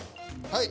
はい。